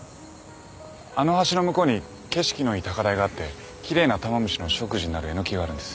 あの橋の向こうに景色のいい高台があって奇麗なタマムシの食樹になるエノキがあるんです。